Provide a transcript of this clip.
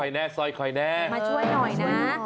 มาซอยค่อยแน่ซอยค่อยแน่มาช่วยหน่อยนะ